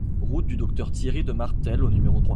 Route du Docteur Thierry de Martel au numéro trois